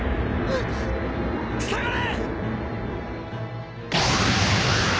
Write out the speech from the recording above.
下がれ！